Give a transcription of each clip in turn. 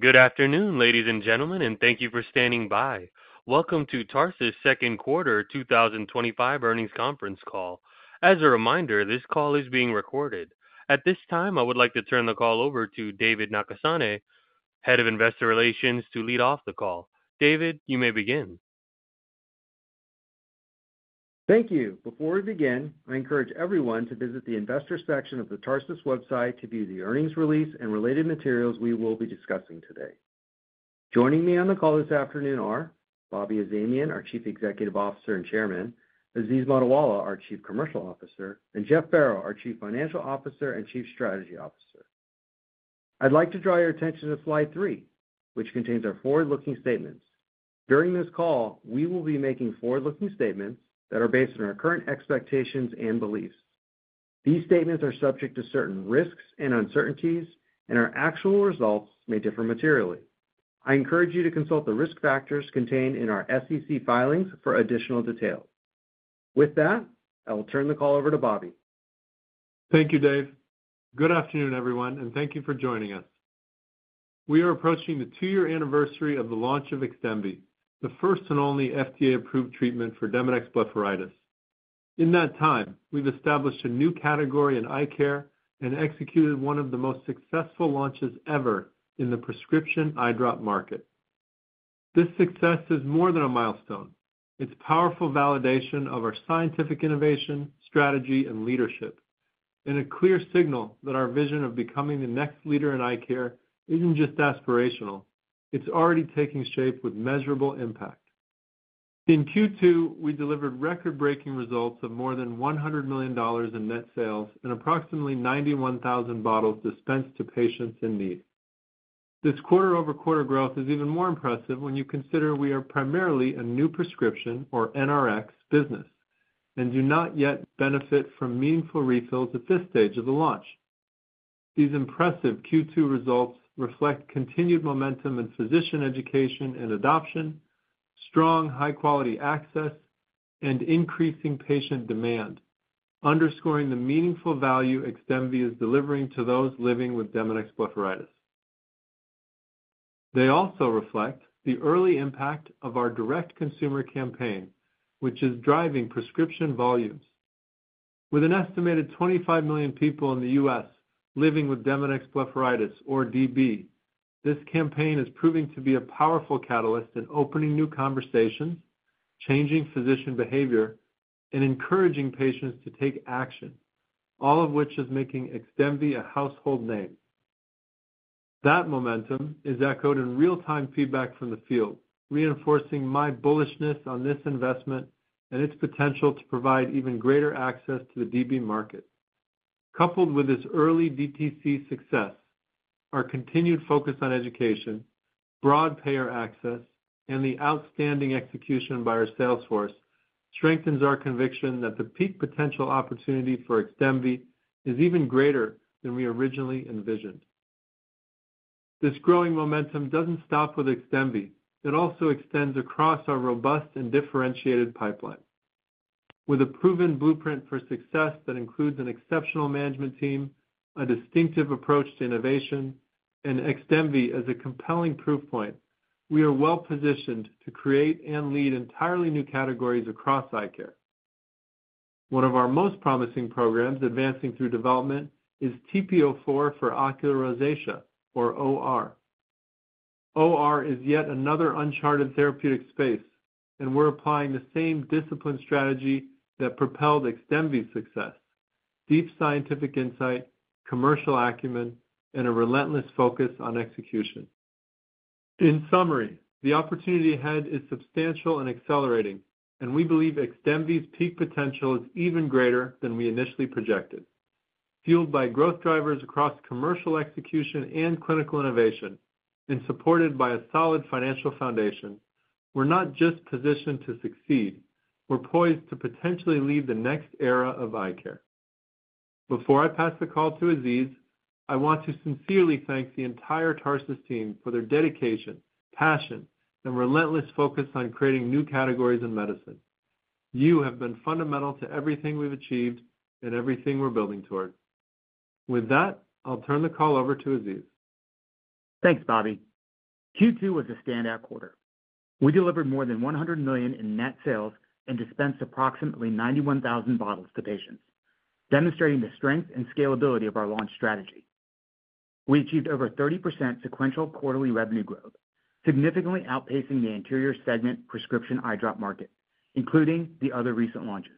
Good afternoon, ladies and gentlemen, and thank you for standing by. Welcome to Tarsus' Second Quarter 2025 Earnings Conference Call. As a reminder, this call is being recorded. At this time, I would like to turn the call over to David Nakasone, Head of Investor Relations, to lead off the call. David, you may begin. Thank you. Before we begin, I encourage everyone to visit the Investors section of the Tarsus website to view the earnings release and related materials we will be discussing today. Joining me on the call this afternoon are Bobby Azamian, our Chief Executive Officer and Chairman, Aziz Mottiwala, our Chief Commercial Officer, and Jeff Farrow, our Chief Financial Officer and Chief Strategy Officer. I'd like to draw your attention to slide three, which contains our forward-looking statements. During this call, we will be making forward-looking statements that are based on our current expectations and beliefs. These statements are subject to certain risks and uncertainties, and our actual results may differ materially. I encourage you to consult the risk factors contained in our SEC filings for additional details. With that, I will turn the call over to Bobby. Thank you, Dave. Good afternoon, everyone, and thank you for joining us. We are approaching the two-year anniversary of the launch of XDEMVY, the first and only FDA-approved treatment for Demodex blepharitis. In that time, we've established a new category in eye care and executed one of the most successful launches ever in the prescription eye drop market. This success is more than a milestone. It's powerful validation of our scientific innovation, strategy, and leadership, and a clear signal that our vision of becoming the next leader in eye care isn't just aspirational; it's already taking shape with measurable impact. In Q2, we delivered record-breaking results of more than $100 million in net sales and approximately 91,000 bottles dispensed to patients in need. This quarter-over-quarter growth is even more impressive when you consider we are primarily a new prescription, or NRX, business and do not yet benefit from meaningful refills at this stage of the launch. These impressive Q2 results reflect continued momentum in physician education and adoption, strong high-quality access, and increasing patient demand, underscoring the meaningful value XDEMVY is delivering to those living with Demodex blepharitis. They also reflect the early impact of our direct-to-consumer campaign, which is driving prescription volumes. With an estimated 25 million people in the U.S. living with Demodex blepharitis, or DB, this campaign is proving to be a powerful catalyst in opening new conversations, changing physician behavior, and encouraging patients to take action, all of which is making XDEMVY a household name. That momentum is echoed in real-time feedback from the field, reinforcing my bullishness on this investment and its potential to provide even greater access to the DB market. Coupled with this early DTC success, our continued focus on education, broad payer access, and the outstanding execution by our sales force strengthens our conviction that the peak potential opportunity for XDEMVY is even greater than we originally envisioned. This growing momentum doesn't stop with XDEMVY; it also extends across our robust and differentiated pipeline. With a proven blueprint for success that includes an exceptional management team, a distinctive approach to innovation, and XDEMVY as a compelling proof point, we are well-positioned to create and lead entirely new categories across eye care. One of our most promising programs advancing through development is TP-04 for ocular rosacea, or OR. OR is yet another uncharted therapeutic space, and we're applying the same discipline strategy that propelled XDEMVY's success: deep scientific insight, commercial acumen, and a relentless focus on execution. In summary, the opportunity ahead is substantial and accelerating, and we believe XDEMVY's peak potential is even greater than we initially projected. Fueled by growth drivers across commercial execution and clinical innovation, and supported by a solid financial foundation, we're not just positioned to succeed, we're poised to potentially lead the next era of eye care. Before I pass the call to Aziz, I want to sincerely thank the entire Tarsus team for their dedication, passion, and relentless focus on creating new categories in medicine. You have been fundamental to everything we've achieved and everything we're building toward. With that, I'll turn the call over to Aziz. Thanks, Bobby. Q2 was a standout quarter. We delivered more than $100 million in net sales and dispensed approximately 91,000 bottles to patients, demonstrating the strength and scalability of our launch strategy. We achieved over 30% sequential quarterly revenue growth, significantly outpacing the anterior segment prescription eye drop market, including the other recent launches.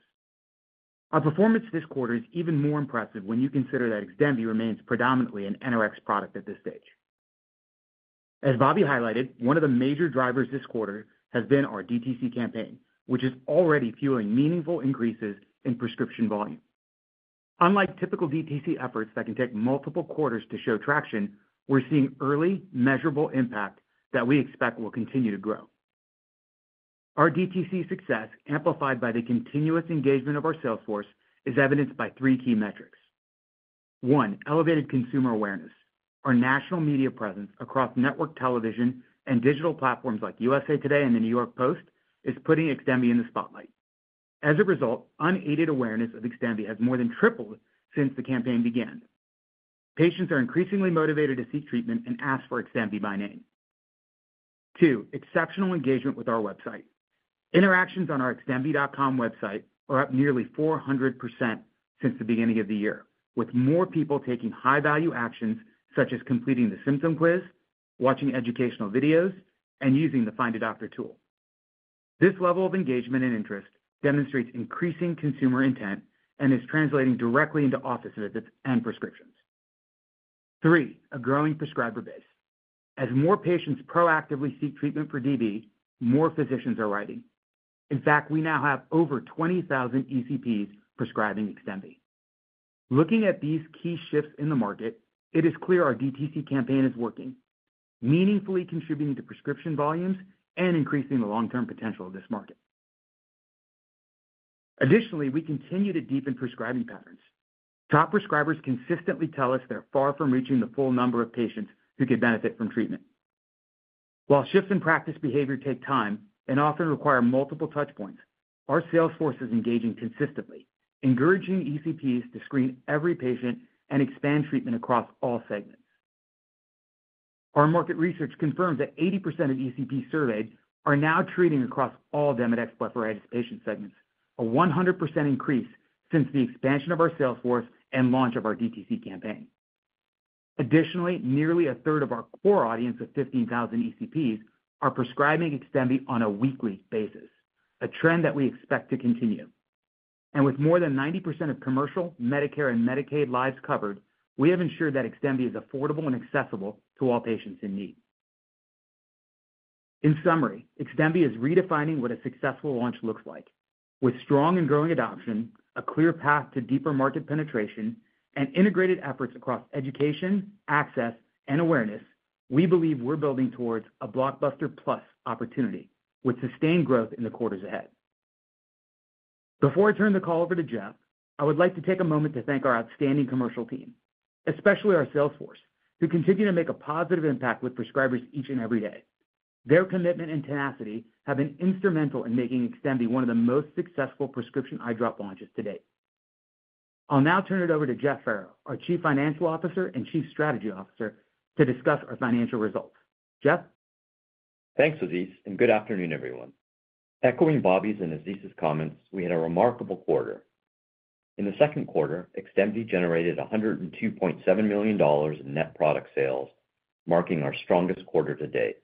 Our performance this quarter is even more impressive when you consider that XDEMVY remains predominantly an NRX product at this stage. As Bobby highlighted, one of the major drivers this quarter has been our DTC campaign, which is already fueling meaningful increases in prescription volume. Unlike typical DTC efforts that can take multiple quarters to show traction, we're seeing early, measurable impact that we expect will continue to grow. Our DTC success, amplified by the continuous engagement of our sales force, is evidenced by three key metrics. One, elevated consumer awareness. Our national media presence across network television and digital platforms like USA Today and The New York Post is putting XDEMVY in the spotlight. As a result, unaided awareness of XDEMVY has more than tripled since the campaign began. Patients are increasingly motivated to seek treatment and ask for XDEMVY by name. Two, exceptional engagement with our website. Interactions on our XDEMVY.com website are up nearly 400% since the beginning of the year, with more people taking high-value actions such as completing the symptom quiz, watching educational videos, and using the Find a Doctor tool. This level of engagement and interest demonstrates increasing consumer intent and is translating directly into office visits and prescriptions. Three, a growing prescriber base. As more patients proactively seek treatment for DB, more physicians are writing. In fact, we now have over 20,000 ECPs prescribing XDEMVY. Looking at these key shifts in the market, it is clear our DTC campaign is working, meaningfully contributing to prescription volumes and increasing the long-term potential of this market. Additionally, we continue to deepen prescribing patterns. Top prescribers consistently tell us they're far from reaching the full number of patients who could benefit from treatment. While shifts in practice behavior take time and often require multiple touchpoints, our sales force is engaging consistently, encouraging ECPs to screen every patient and expand treatment across all segments. Our market research confirms that 80% of ECPs surveyed are now treating across all Demodex blepharitis patient segments, a 100% increase since the expansion of our sales force and launch of our DTC campaign. Additionally, nearly 1/3 of our core audience of 15,000 ECPs are prescribing XDEMVY on a weekly basis, a trend that we expect to continue. With more than 90% of commercial, Medicare, and Medicaid lives covered, we have ensured that XDEMVY is affordable and accessible to all patients in need. In summary, XDEMVY is redefining what a successful launch looks like. With strong and growing adoption, a clear path to deeper market penetration, and integrated efforts across education, access, and awareness, we believe we're building towards a blockbuster plus opportunity with sustained growth in the quarters ahead. Before I turn the call over to Jeff, I would like to take a moment to thank our outstanding commercial team, especially our sales force, who continue to make a positive impact with prescribers each and every day. Their commitment and tenacity have been instrumental in making XDEMVY one of the most successful prescription eye drop launches to date. I'll now turn it over to Jeff Farrow, our Chief Financial Officer and Chief Strategy Officer, to discuss our financial results. Jeff? Thanks, Aziz, and good afternoon, everyone. Echoing Bobby's and Aziz's comments, we had a remarkable quarter. In the second quarter, XDEMVY generated $102.7 million in net product sales, marking our strongest quarter to date.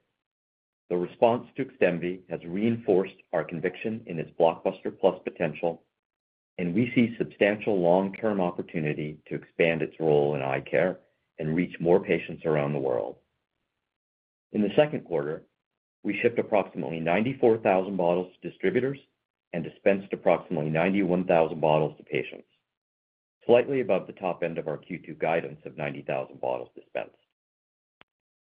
The response to XDEMVY has reinforced our conviction in its blockbuster plus potential, and we see substantial long-term opportunity to expand its role in eye care and reach more patients around the world. In the second quarter, we shipped approximately 94,000 bottles to distributors and dispensed approximately 91,000 bottles to patients, slightly above the top end of our Q2 guidance of 90,000 bottles dispensed.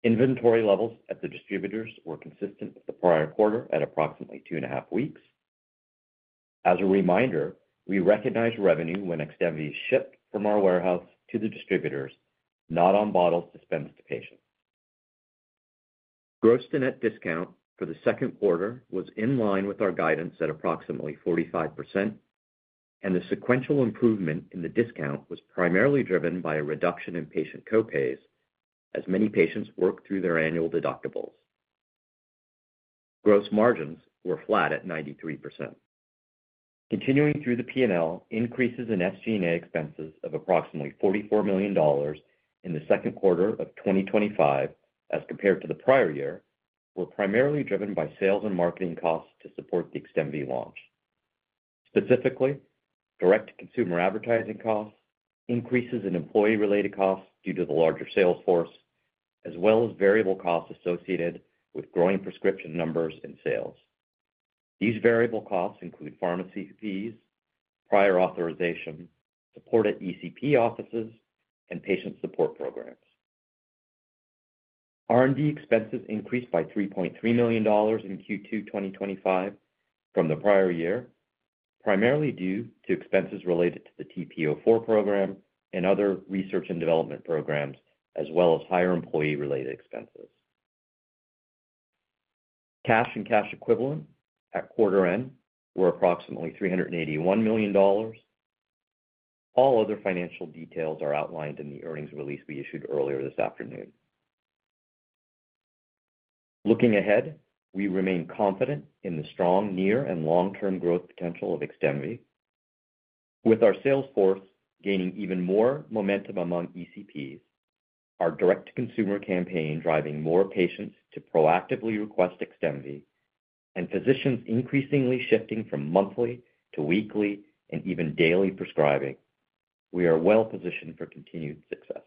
Inventory levels at the distributors were consistent with the prior quarter at approximately two and a half weeks. As a reminder, we recognize revenue when XDEMVY is shipped from our warehouse to the distributors, not on bottles dispensed to patients. Gross-to-net discount for the second quarter was in line with our guidance at approximately 45%, and the sequential improvement in the discount was primarily driven by a reduction in patient copays as many patients work through their annual deductibles. Gross margins were flat at 93%. Continuing through the P&L, increases in SG&A expenses of approximately $44 million in the second quarter of 2025 as compared to the prior year were primarily driven by sales and marketing costs to support the XDEMVY launch. Specifically, direct-to-consumer advertising costs, increases in employee-related costs due to the larger sales force, as well as variable costs associated with growing prescription numbers and sales. These variable costs include pharmacy fees, prior authorization, support at ECP offices, and patient support programs. R&D expenses increased by $3.3 million in Q2 2025 from the prior year, primarily due to expenses related to the TP-04 program and other research and development programs, as well as higher employee-related expenses. Cash and cash equivalent at quarter end were approximately $381 million. All other financial details are outlined in the earnings release we issued earlier this afternoon. Looking ahead, we remain confident in the strong near and long-term growth potential of XDEMVY, with our sales force gaining even more momentum among ECPs, our direct-to-consumer campaign driving more patients to proactively request XDEMVY, and physicians increasingly shifting from monthly to weekly and even daily prescribing. We are well positioned for continued success.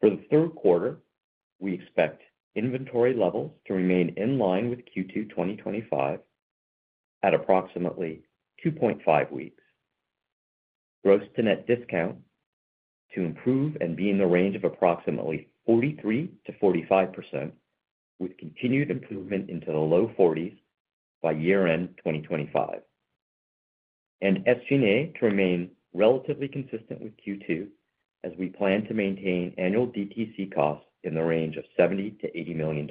For the third quarter, we expect inventory levels to remain in line with Q2 2025 at approximately 2.5 weeks. Gross-to-net discount to improve and be in the range of approximately 43%-45%, with continued improvement into the low 40% by year-end 2025 and SG&A to remain relatively consistent with Q2 as we plan to maintain annual DTC costs in the range of $70 million-$80 million.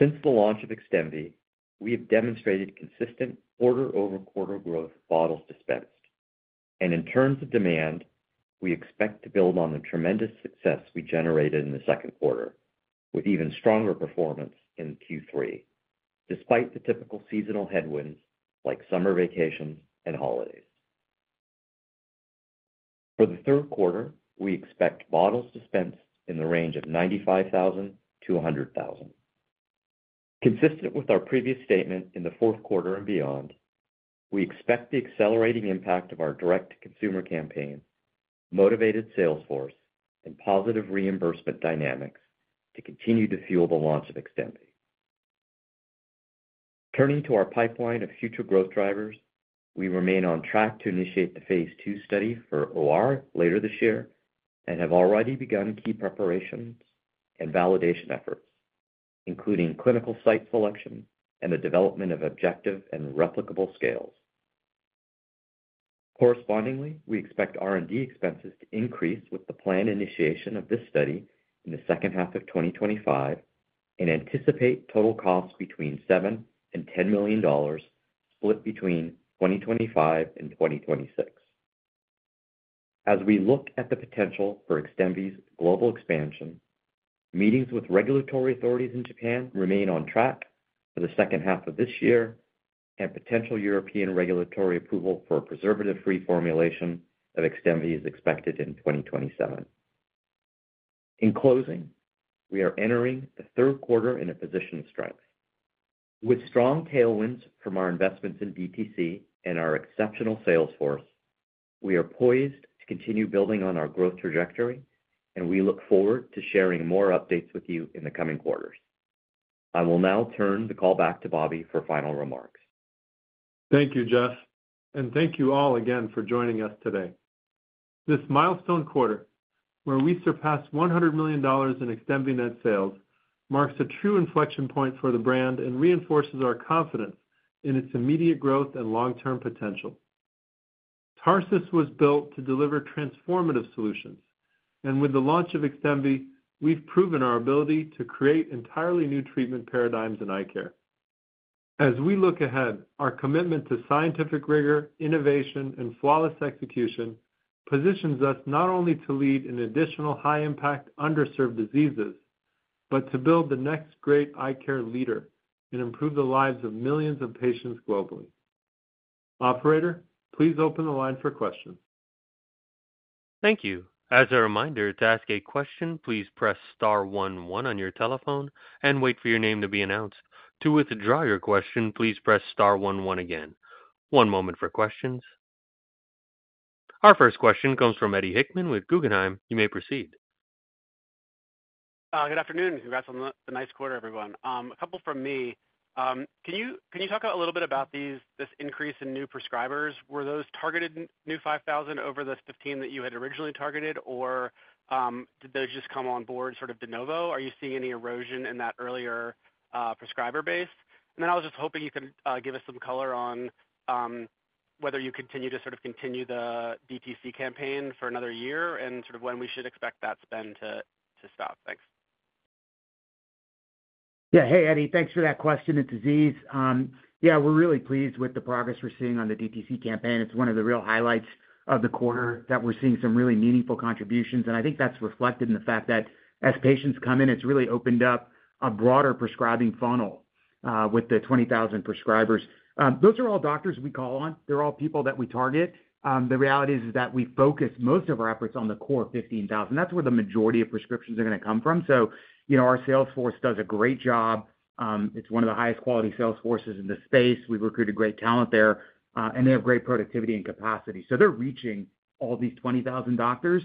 Since the launch of XDEMVY, we have demonstrated consistent quarter-over-quarter growth of bottles dispensed. In terms of demand, we expect to build on the tremendous success we generated in the second quarter, with even stronger performance in Q3, despite the typical seasonal headwinds like summer vacations and holidays. For the third quarter, we expect bottles dispensed in the range of 95,000-100,000. Consistent with our previous statement, in the fourth quarter and beyond, we expect the accelerating impact of our direct-to-consumer campaign, motivated sales force, and positive reimbursement dynamics to continue to fuel the launch of XDEMVY. Turning to our pipeline of future growth drivers, we remain on track to initiate the phase II study for OR later this year and have already begun key preparations and validation efforts, including clinical site selection and the development of objective and replicable scales. Correspondingly, we expect R&D expenses to increase with the planned initiation of this study in the second half of 2025 and anticipate total costs between $7 million and $10 million split between 2025 and 2026. As we look at the potential for XDEMVY's global expansion, meetings with regulatory authorities in Japan remain on track for the second half of this year, and potential European regulatory approval for a preservative-free formulation of XDEMVY is expected in 2027. In closing, we are entering the third quarter in a position of strength. With strong tailwinds from our investments in DTC and our exceptional sales force, we are poised to continue building on our growth trajectory, and we look forward to sharing more updates with you in the coming quarters. I will now turn the call back to Bobby for final remarks. Thank you, Jeff, and thank you all again for joining us today. This milestone quarter, where we surpassed $100 million in XDEMVY net sales, marks a true inflection point for the brand and reinforces our confidence in its immediate growth and long-term potential. Tarsus was built to deliver transformative solutions, and with the launch of XDEMVY, we've proven our ability to create entirely new treatment paradigms in eye care. As we look ahead, our commitment to scientific rigor, innovation, and flawless execution positions us not only to lead in additional high-impact, underserved diseases, but to build the next great eye care leader and improve the lives of millions of patients globally. Operator, please open the line for questions. Thank you. As a reminder, to ask a question, please press *11 on your telephone and wait for your name to be announced. To withdraw your question, please press *11 again. One moment for questions. Our first question comes from Eddie Hickman with Guggenheim. You may proceed. Good afternoon. Congrats on the nice quarter, everyone. A couple from me. Can you talk a little bit about this increase in new prescribers? Were those targeted new 5,000 over the 15 that you had originally targeted, or did those just come on board sort of de novo? Are you seeing any erosion in that earlier prescriber base? I was just hoping you could give us some color on whether you continue to sort of continue the DTC campaign for another year and sort of when we should expect that spend to stop. Thanks. Yeah. Hey, Eddie, thanks for that question. It's Aziz. Yeah, we're really pleased with the progress we're seeing on the DTC campaign. It's one of the real highlights of the quarter that we're seeing some really meaningful contributions, and I think that's reflected in the fact that as patients come in, it's really opened up a broader prescribing funnel with the 20,000 prescribers. Those are all doctors we call on. They're all people that we target. The reality is that we focus most of our efforts on the core 15,000. That's where the majority of prescriptions are going to come from. Our sales force does a great job. It's one of the highest quality sales forces in the space. We've recruited great talent there, and they have great productivity and capacity. They're reaching all these 20,000 doctors.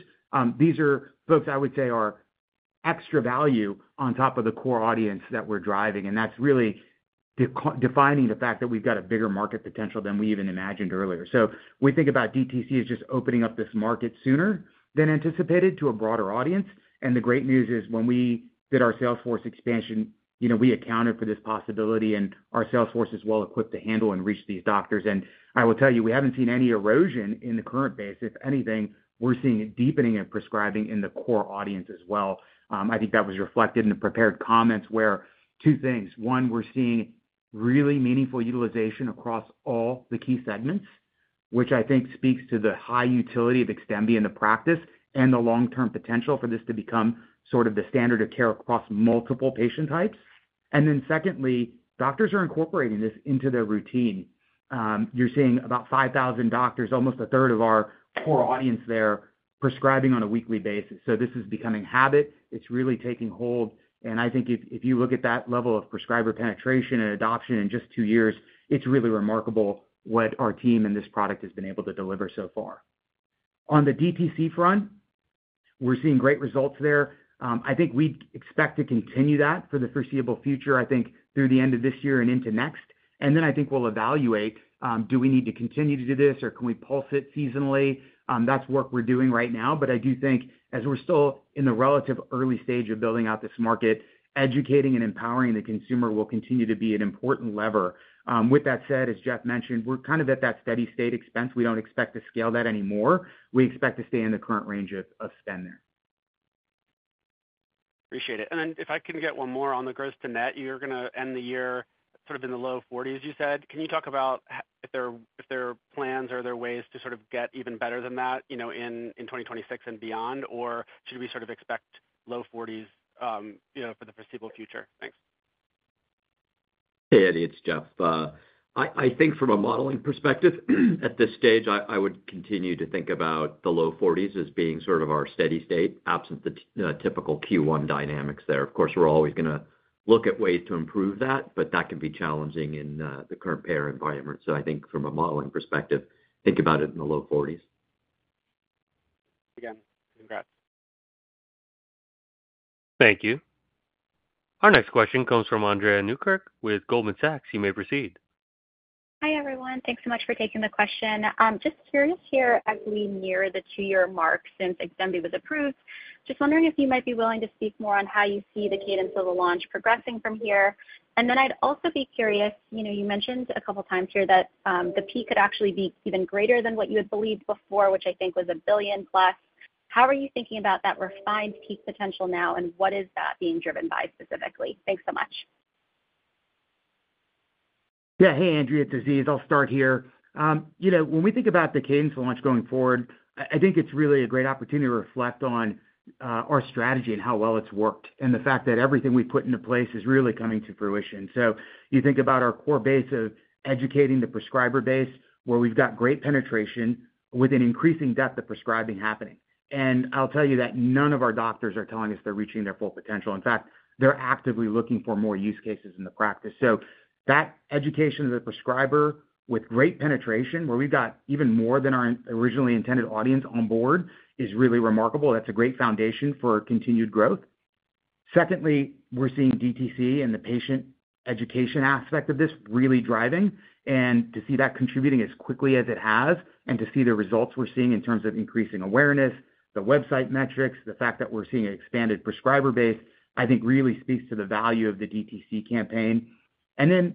These are folks I would say are extra value on top of the core audience that we're driving, and that's really defining the fact that we've got a bigger market potential than we even imagined earlier. We think about DTC as just opening up this market sooner than anticipated to a broader audience. The great news is when we did our sales force expansion, we accounted for this possibility, and our sales force is well equipped to handle and reach these doctors. I will tell you, we haven't seen any erosion in the current base. If anything, we're seeing a deepening of prescribing in the core audience as well. I think that was reflected in the prepared comments where two things. One, we're seeing really meaningful utilization across all the key segments, which I think speaks to the high utility of XDEMVY in the practice and the long-term potential for this to become sort of the standard of care across multiple patient types. Secondly, doctors are incorporating this into their routine. You're seeing about 5,000 doctors, almost a third of our core audience there, prescribing on a weekly basis. This is becoming habit. It's really taking hold. I think if you look at that level of prescriber penetration and adoption in just two years, it's really remarkable what our team and this product has been able to deliver so far. On the DTC front, we're seeing great results there. I think we expect to continue that for the foreseeable future, I think, through the end of this year and into next. I think we'll evaluate, do we need to continue to do this or can we pulse it seasonally? That's work we're doing right now. I do think as we're still in the relative early stage of building out this market, educating and empowering the consumer will continue to be an important lever. With that said, as Jeff mentioned, we're kind of at that steady state expense. We don't expect to scale that anymore. We expect to stay in the current range of spend there. Appreciate it. If I can get one more on the gross-to-net, you're going to end the year sort of in the low 40s, you said. Can you talk about if there are plans or are there ways to sort of get even better than that, you know, in 2026 and beyond, or should we sort of expect low 40s, you know, for the foreseeable future? Thanks. Hey, Eddie, it's Jeff. I think from a modeling perspective, at this stage, I would continue to think about the low 40% as being sort of our steady state, absent the typical Q1 dynamics there. Of course, we're always going to look at ways to improve that, but that can be challenging in the current payer environment. I think from a modeling perspective, think about it in the low 40%. Again, congrats. Thank you. Our next question comes from Andrea Newkirk with Goldman Sachs. You may proceed. Hi, everyone. Thanks so much for taking the question. Just curious here, as we near the two-year mark since XDEMVY was approved, just wondering if you might be willing to speak more on how you see the cadence of the launch progressing from here. I'd also be curious, you know, you mentioned a couple of times here that the peak could actually be even greater than what you had believed before, which I think was $1+ billion. How are you thinking about that refined peak potential now, and what is that being driven by specifically? Thanks so much. Yeah. Hey, Adrienne, it's Aziz. I'll start here. You know, when we think about the cadence of the launch going forward, I think it's really a great opportunity to reflect on our strategy and how well it's worked and the fact that everything we've put into place is really coming to fruition. You think about our core base of educating the prescriber base, where we've got great penetration with an increasing depth of prescribing happening. I'll tell you that none of our doctors are telling us they're reaching their full potential. In fact, they're actively looking for more use cases in the practice. That education of the prescriber with great penetration, where we've got even more than our originally intended audience on board, is really remarkable. That's a great foundation for continued growth. Secondly, we're seeing DTC and the patient education aspect of this really driving. To see that contributing as quickly as it has, and to see the results we're seeing in terms of increasing awareness, the website metrics, the fact that we're seeing an expanded prescriber base, I think really speaks to the value of the DTC campaign. I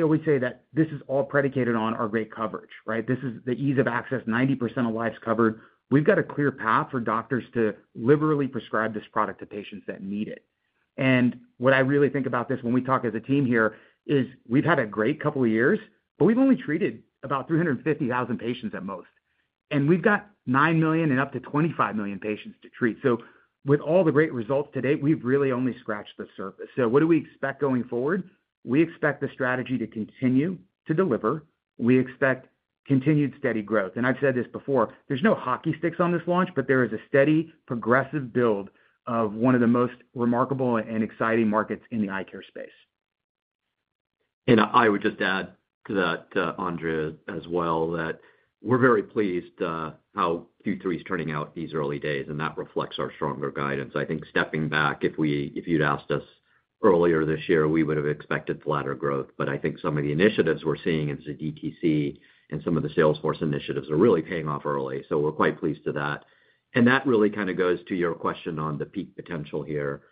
always say that this is all predicated on our great coverage, right? This is the ease of access. 90% of lives covered. We've got a clear path for doctors to liberally prescribe this product to patients that need it. What I really think about this when we talk as a team here is we've had a great couple of years, but we've only treated about 350,000 patients at most. We've got 9 million and up to 25 million patients to treat. With all the great results to date, we've really only scratched the surface. What do we expect going forward? We expect the strategy to continue to deliver. We expect continued steady growth. I've said this before, there's no hockey sticks on this launch, but there is a steady, progressive build of one of the most remarkable and exciting markets in the eye care space. I would just add to that, Andrea, as well, that we're very pleased how Q3 is turning out these early days, and that reflects our stronger guidance. I think, stepping back, if you'd asked us earlier this year, we would have expected flatter growth. I think some of the initiatives we're seeing as a DTC and some of the sales force initiatives are really paying off early. We're quite pleased to that. That really kind of goes to your question on the peak potential here.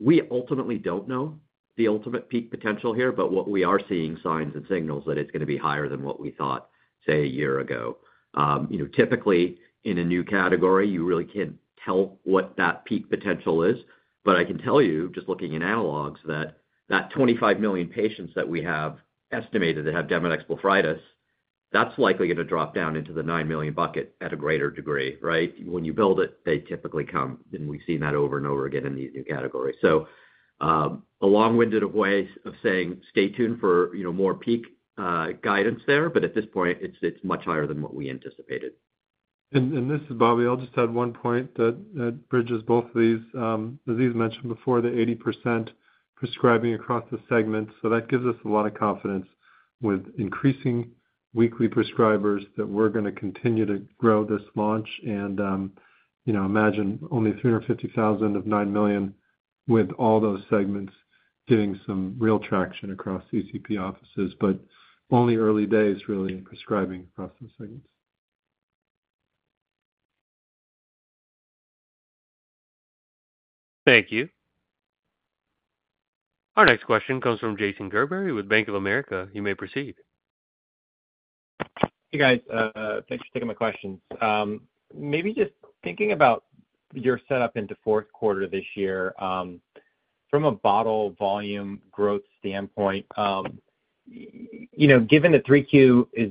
We ultimately don't know the ultimate peak potential here, but we are seeing signs and signals that it's going to be higher than what we thought, say, a year ago. Typically, in a new category, you really can't tell what that peak potential is. I can tell you, just looking at analogs, that that 25 million patients that we have estimated that have Demodex blepharitis, that's likely going to drop down into the 9 million bucket at a greater degree, right? When you build it, they typically come. We've seen that over and over again in these new categories. A long-winded way of saying, stay tuned for more peak guidance there. At this point, it's much higher than what we anticipated. This is Bobby. I'll just add one point that bridges both of these. Aziz mentioned before, the 80% prescribing across the segment. That gives us a lot of confidence with increasing weekly prescribers that we're going to continue to grow this launch. Imagine only 350,000 of 9 million with all those segments doing some real traction across ECP offices, but only early days really in prescribing across those segments. Thank you. Our next question comes from Jason Gerberry with Bank of America. You may proceed. Hey, guys. Thanks for taking my questions. Maybe just thinking about your setup into fourth quarter this year, from a bottle volume growth standpoint, given that 3Q is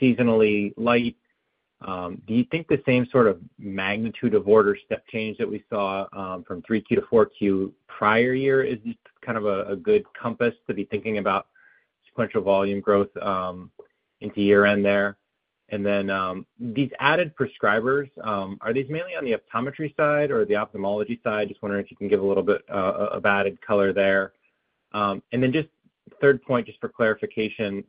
seasonally light, do you think the same sort of magnitude of order step change that we saw from 3Q to 4Q prior year is kind of a good compass to be thinking about sequential volume growth into year-end there? These added prescribers, are these mainly on the optometry side or the ophthalmology side? Just wondering if you can give a little bit of added color there. Third point, just for clarification.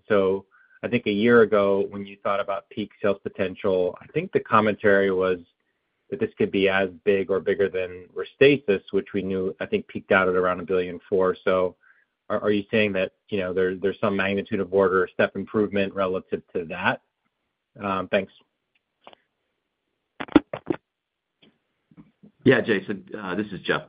I think a year ago, when you thought about peak sales potential, I think the commentary was that this could be as big or bigger than Restasis, which we knew peaked out at around $1.4 billion. Are you saying that there's some magnitude of order step improvement relative to that? Thanks. Yeah, Jason. This is Jeff.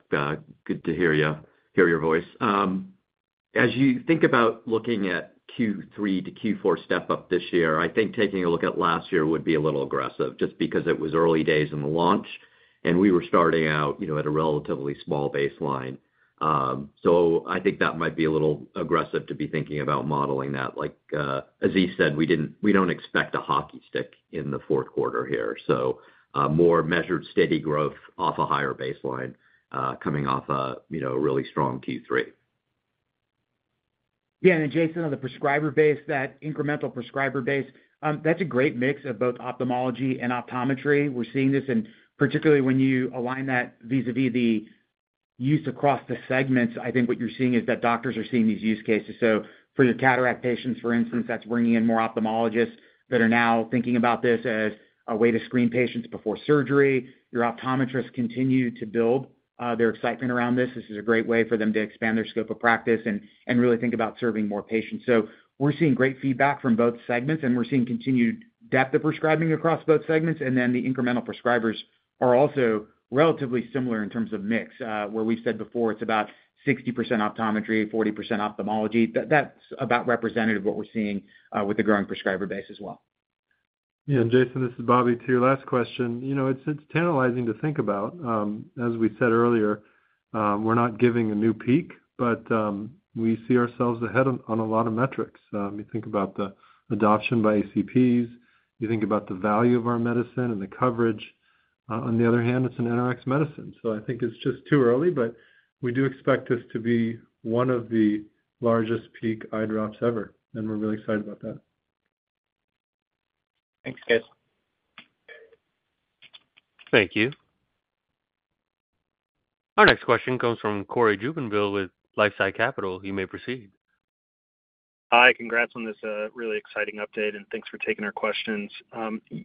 Good to hear your voice. As you think about looking at Q3 to Q4 step up this year, I think taking a look at last year would be a little aggressive just because it was early days in the launch, and we were starting out at a relatively small baseline. I think that might be a little aggressive to be thinking about modeling that. Like Aziz said, we don't expect a hockey stick in the fourth quarter here. More measured steady growth off a higher baseline coming off a really strong Q3. Yeah. Jason, on the prescriber base, that incremental prescriber base is a great mix of both ophthalmology and optometry. We're seeing this, and particularly when you align that vis-à-vis the use across the segments, I think what you're seeing is that doctors are seeing these use cases. For your cataract patients, for instance, that's bringing in more ophthalmologists that are now thinking about this as a way to screen patients before surgery. Your optometrists continue to build their excitement around this. This is a great way for them to expand their scope of practice and really think about serving more patients. We're seeing great feedback from both segments, and we're seeing continued depth of prescribing across both segments. The incremental prescribers are also relatively similar in terms of mix, where we've said before it's about 60% optometry, 40% ophthalmology. That's about representative of what we're seeing with the growing prescriber base as well. Yeah. Jason, this is Bobby to your last question. It's tantalizing to think about. As we said earlier, we're not giving a new peak, but we see ourselves ahead on a lot of metrics. You think about the adoption by ECPs. You think about the value of our medicine and the coverage. On the other hand, it's an NRX medicine. I think it's just too early, but we do expect this to be one of the largest peak eye drops ever. We're really excited about that. [Thanks, guys]. Thank you. Our next question comes from Cory Jubinville with LifeSci Capital. You may proceed. Hi. Congrats on this really exciting update, and thanks for taking our questions.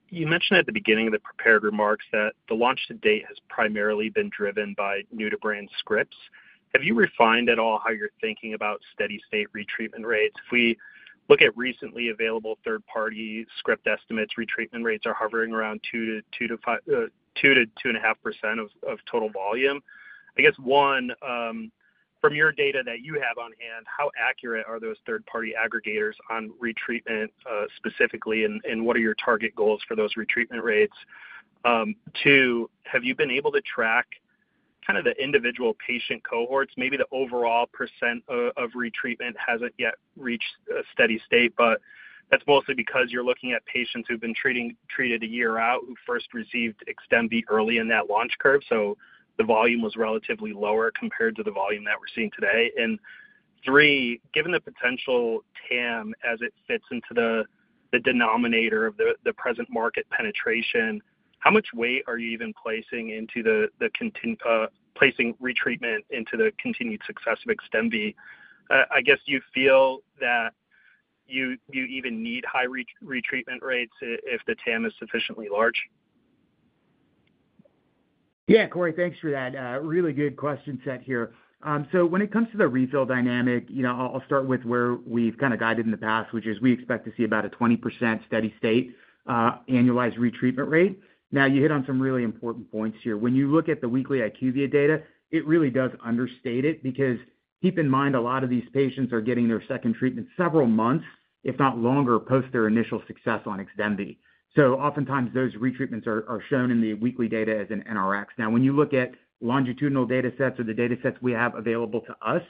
You mentioned at the beginning of the prepared remarks that the launch to date has primarily been driven by new-to-brand scripts. Have you refined at all how you're thinking about steady-state retreatment rates? If we look at recently available third-party script estimates, retreatment rates are hovering around 2%-2.5% of total volume. I guess, one, from your data that you have on hand, how accurate are those third-party aggregators on retreatment specifically, and what are your target goals for those retreatment rates? Two, have you been able to track kind of the individual patient cohorts? Maybe the overall percent of retreatment hasn't yet reached a steady state, but that's mostly because you're looking at patients who've been treated a year out, who first received XDEMVY early in that launch curve. The volume was relatively lower compared to the volume that we're seeing today. Three, given the potential TAM as it fits into the denominator of the present market penetration, how much weight are you even placing into the retreatment into the continued success of XDEMVY? I guess, do you feel that you even need high retreatment rates if the TAM is sufficiently large? Yeah, Corey, thanks for that. Really good question set here. When it comes to the refill dynamic, I'll start with where we've kind of guided in the past, which is we expect to see about a 20% steady-state annualized retreatment rate. You hit on some really important points here. When you look at the weekly IQVIA data, it really does understate it because, keep in mind, a lot of these patients are getting their second treatment several months, if not longer, post their initial success on XDEMVY. Oftentimes, those retreatments are shown in the weekly data as an NRX. When you look at longitudinal data sets or the data sets we have available to us,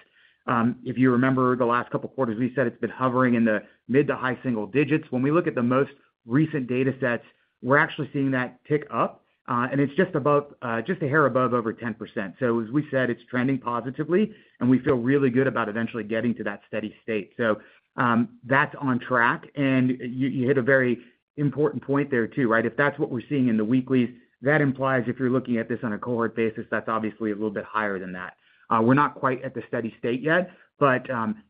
if you remember the last couple of quarters, we said it's been hovering in the mid to high single digits. When we look at the most recent data sets, we're actually seeing that tick up, and it's just above, just a hair above over 10%. As we said, it's trending positively, and we feel really good about eventually getting to that steady state. That's on track. You hit a very important point there, too, right? If that's what we're seeing in the weeklies, that implies if you're looking at this on a cohort basis, that's obviously a little bit higher than that. We're not quite at the steady state yet, but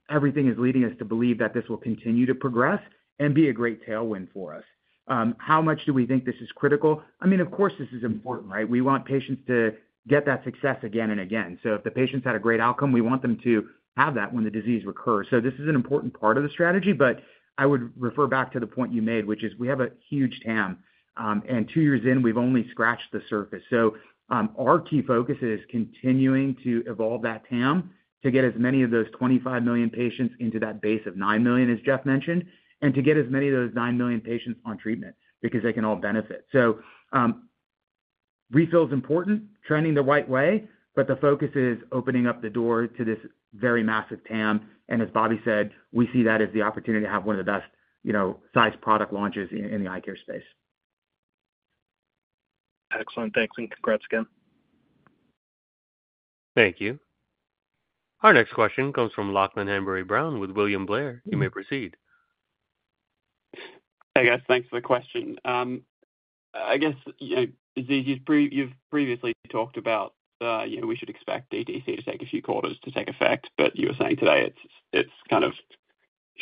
everything is leading us to believe that this will continue to progress and be a great tailwind for us. How much do we think this is critical? Of course, this is important, right? We want patients to get that success again and again. If the patients had a great outcome, we want them to have that when the disease recurs. This is an important part of the strategy, but I would refer back to the point you made, which is we have a huge TAM, and two years in, we've only scratched the surface. Our key focus is continuing to evolve that TAM to get as many of those 25 million patients into that base of 9 million, as Jeff mentioned, and to get as many of those 9 million patients on treatment because they can all benefit. Refill is important, trending the right way, but the focus is opening up the door to this very massive TAM. As Bobby said, we see that as the opportunity to have one of the best size product launches in the eye care space. Excellent. Thanks, and congrats again. Thank you. Our next question comes from Lachlan Hanbury-Brown with William Blair. You may proceed. Hey, guys. Thanks for the question. I guess, you know, Aziz, you've previously talked about, you know, we should expect DTC to take a few quarters to take effect, but you were saying today it's kind of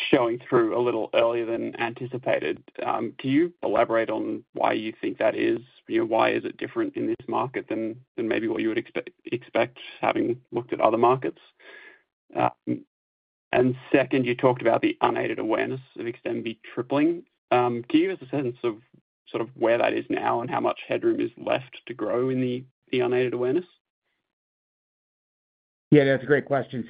showing through a little earlier than anticipated. Can you elaborate on why you think that is? You know, why is it different in this market than maybe what you would expect having looked at other markets? Second, you talked about the unaided awareness of XDEMVY tripling. Can you give us a sense of sort of where that is now and how much headroom is left to grow in the unaided awareness? Yeah, no, it's a great question.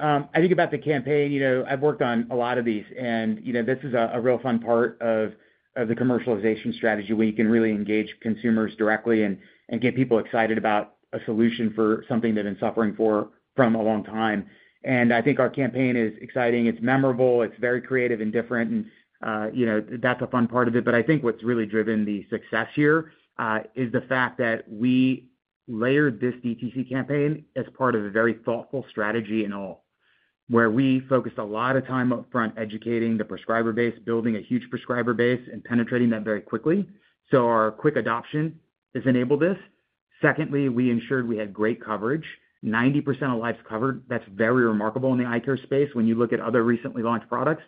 I think about the campaign, you know, I've worked on a lot of these, and this is a real fun part of the commercialization strategy where you can really engage consumers directly and get people excited about a solution for something they've been suffering for a long time. I think our campaign is exciting. It's memorable. It's very creative and different, and that's a fun part of it. I think what's really driven the success here is the fact that we layered this DTC campaign as part of a very thoughtful strategy in all, where we focused a lot of time upfront educating the prescriber base, building a huge prescriber base, and penetrating that very quickly. Our quick adoption has enabled this. Secondly, we ensured we had great coverage. 90% of lives covered. That's very remarkable in the eye care space. When you look at other recently launched products,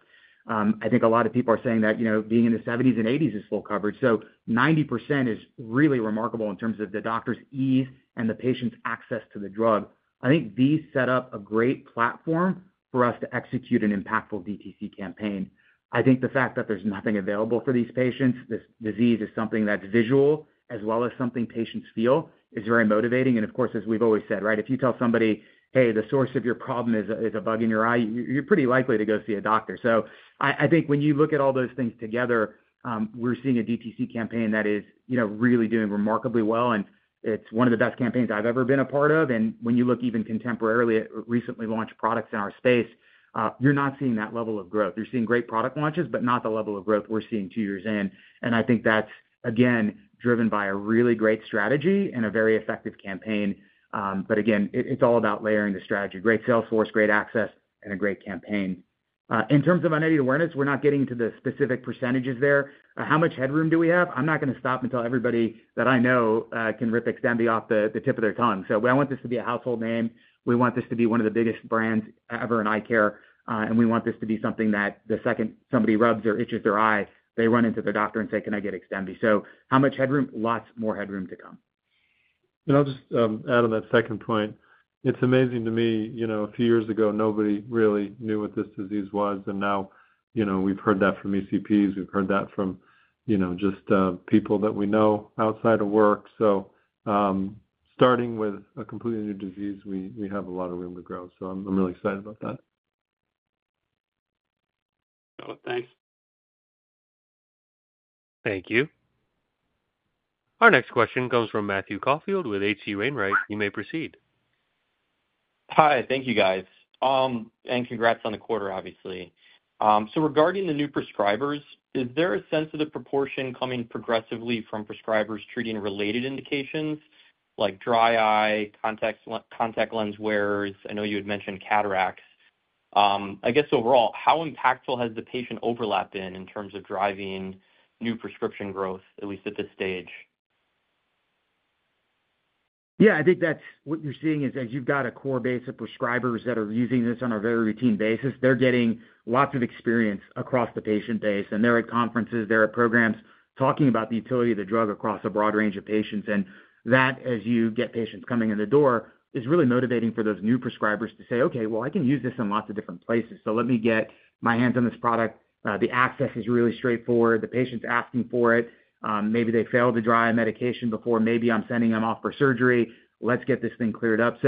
I think a lot of people are saying that being in the 70s and 80s is full coverage. 90% is really remarkable in terms of the doctor's ease and the patient's access to the drug. I think these set up a great platform for us to execute an impactful DTC campaign. The fact that there's nothing available for these patients, this disease is something that's visual, as well as something patients feel, is very motivating. Of course, as we've always said, if you tell somebody, "Hey, the source of your problem is a bug in your eye," you're pretty likely to go see a doctor. When you look at all those things together, we're seeing a DTC campaign that is really doing remarkably well, and it's one of the best campaigns I've ever been a part of. When you look even contemporarily at recently launched products in our space, you're not seeing that level of growth. You're seeing great product launches, but not the level of growth we're seeing two years in. I think that's, again, driven by a really great strategy and a very effective campaign. Again, it's all about layering the strategy. Great sales force, great access, and a great campaign. In terms of unaided awareness, we're not getting to the specific percentages there. How much headroom do we have? I'm not going to stop until everybody that I know can rip XDEMVY off the tip of their tongue. I want this to be a household name. We want this to be one of the biggest brands ever in eye care, and we want this to be something that the second somebody rubs or itches their eye, they run into their doctor and say, "Can I get XDEMVY?" How much headroom? Lots more headroom to come. I'll just add on that second point. It's amazing to me, a few years ago, nobody really knew what this disease was, and now we've heard that from ECPs. We've heard that from people that we know outside of work. Starting with a completely new disease, we have a lot of room to grow. I'm really excited about that. Got it. Thanks. Thank you. Our next question comes from Matthew Caufield with H.C. Wainwright. You may proceed. Hi. Thank you, guys, and congrats on the quarter, obviously. Regarding the new prescribers, is there a sense of the proportion coming progressively from prescribers treating related indications like dry eye, contact lens wearers? I know you had mentioned cataracts. I guess overall, how impactful has the patient overlap been in terms of driving new prescription growth, at least at this stage? Yeah, I think that's what you're seeing is as you've got a core base of prescribers that are using this on a very routine basis, they're getting lots of experience across the patient base, and they're at conferences, they're at programs talking about the utility of the drug across a broad range of patients. That, as you get patients coming in the door, is really motivating for those new prescribers to say, "Okay, well, I can use this in lots of different places. Let me get my hands on this product. The access is really straightforward. The patient's asking for it. Maybe they failed the dry eye medication before. Maybe I'm sending them off for surgery. Let's get this thing cleared up."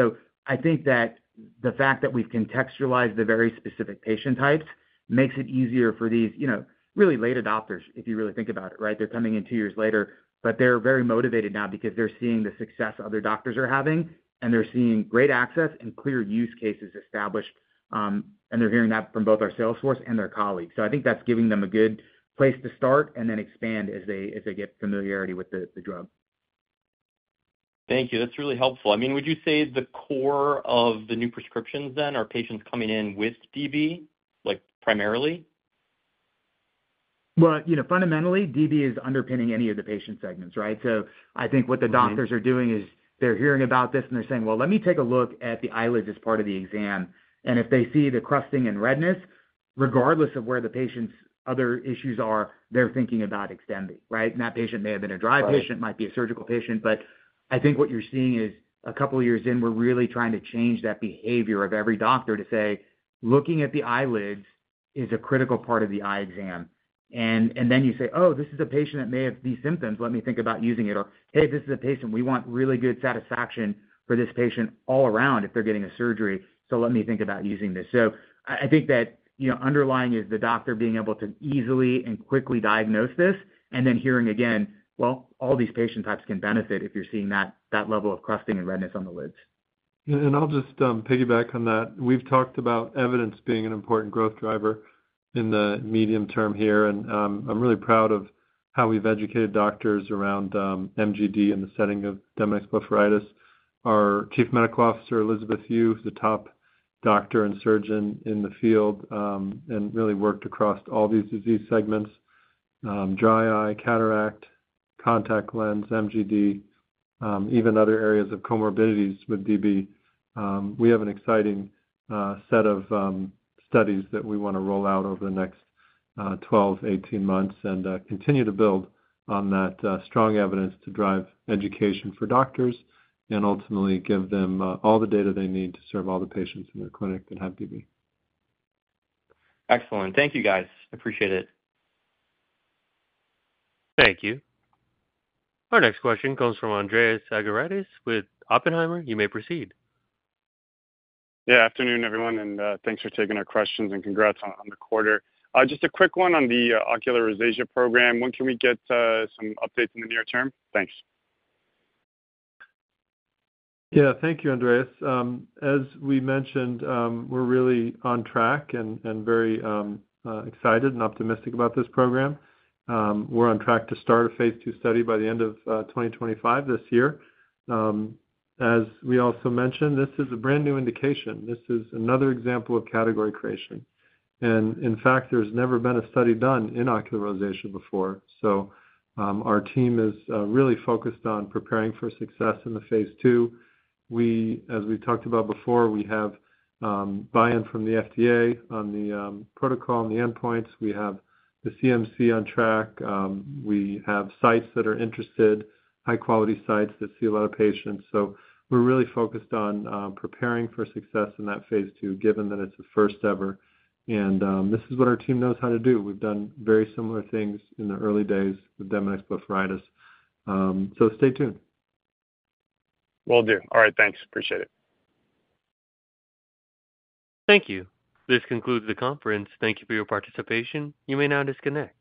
I think that the fact that we've contextualized the very specific patient types makes it easier for these, you know, really late adopters, if you really think about it, right? They're coming in two years later, but they're very motivated now because they're seeing the success other doctors are having, and they're seeing great access and clear use cases established. They're hearing that from both our sales force and their colleagues. I think that's giving them a good place to start and then expand as they get familiarity with the drug. Thank you. That's really helpful. I mean, would you say the core of the new prescriptions then are patients coming in with DB, like primarily? Fundamentally, DB is underpinning any of the patient segments, right? I think what the doctors are doing is they're hearing about this and they're saying, "Let me take a look at the eyelids as part of the exam." If they see the crusting and redness, regardless of where the patient's other issues are, they're thinking about XDEMVY, right? That patient may have been a dry patient, might be a surgical patient, but I think what you're seeing is a couple of years in, we're really trying to change that behavior of every doctor to say, "Looking at the eyelids is a critical part of the eye exam." You say, "Oh, this is a patient that may have these symptoms. Let me think about using it." Or, "Hey, this is a patient we want really good satisfaction for all around if they're getting a surgery. Let me think about using this." I think that underlying is the doctor being able to easily and quickly diagnose this, and then hearing again, "All these patient types can benefit if you're seeing that level of crusting and redness on the lids. I'll just piggyback on that. We've talked about evidence being an important growth driver in the medium term here, and I'm really proud of how we've educated doctors around MGD in the setting of Demodex blepharitis. Our Chief Medical Officer, Elizabeth Yeu, is a top doctor and surgeon in the field and really worked across all these disease segments: dry eye, cataract, contact lens, MGD, even other areas of comorbidities with DB. We have an exciting set of studies that we want to roll out over the next 12, 18 months and continue to build on that strong evidence to drive education for doctors and ultimately give them all the data they need to serve all the patients in their clinic that have DB. Excellent. Thank you, guys. Appreciate it. Thank you. Our next question comes from Andreas Argyrides with Oppenheimer. You may proceed. Yeah. Afternoon, everyone, and thanks for taking our questions and congrats on the quarter. Just a quick one on the ocular rosacea program. When can we get some updates in the near term? Thanks. Yeah. Thank you, Andreas. As we mentioned, we're really on track and very excited and optimistic about this program. We're on track to start a phase II study by the end of 2025 this year. As we also mentioned, this is a brand new indication. This is another example of category creation. In fact, there's never been a study done in ocular rosacea before. Our team is really focused on preparing for success in the phase II. As we talked about before, we have buy-in from the FDA on the protocol and the endpoints. We have the CMC on track. We have sites that are interested, high-quality sites that see a lot of patients. We're really focused on preparing for success in that phase II, given that it's a first ever. This is what our team knows how to do. We've done very similar things in the early days with Demodex blepharitis. Stay tuned. Will do. All right, thanks. Appreciate it. Thank you. This concludes the conference. Thank you for your participation. You may now disconnect.